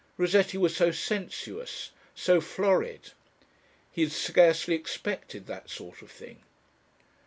Rossetti was so sensuous ... so florid. He had scarcely expected that sort of thing.